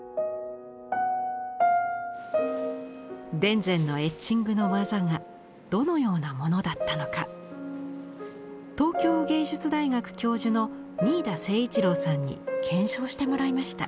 田善のエッチングの技がどのようなものだったのか東京藝術大学教授の三井田盛一郎さんに検証してもらいました。